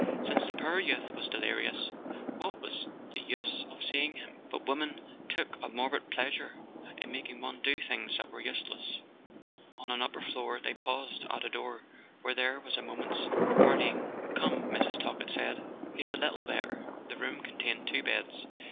Since the poor youth was delirious, what was the use of seeing him ? But women took a morbid pleasure in making one do things that were useless! On an upper floor they paused at a door where there was a moment's parleying. "Come," Mrs. Talkett said; "he's a little better." The room contained two beds.